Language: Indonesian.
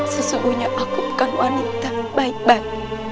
sesungguhnya aku bukan wanita baik baik